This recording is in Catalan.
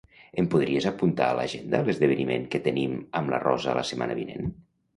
Em podries apuntar a l'agenda l'esdeveniment que tenim amb la Rosa la setmana vinent?